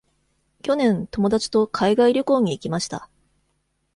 去年、友達と海外旅行に行きました。